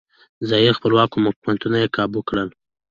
ځايي خپلواک حکومتونه یې کابو کړل.